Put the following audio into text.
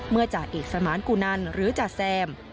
เมื่อจากเอกสมานกุนันหรือจากแซม